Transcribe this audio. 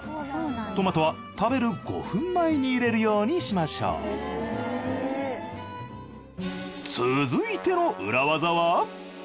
トマトは食べる５分前に入れるようにしましょう続いての裏ワザは。